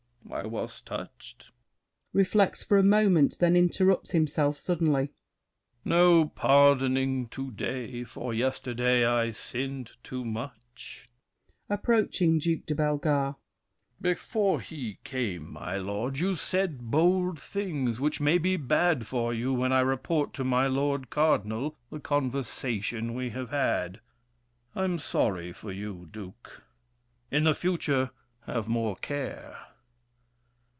I was touched. [Reflects for a moment, then interrupts himself suddenly. No pardoning to day, for yesterday I sinned too much! [Approaching Duke de Bellegarde. Before he came, my lord, You said bold things, which may be bad for you When I report to my lord cardinal The conversation we have had. I'm sorry For you, Duke. In the future, have more care!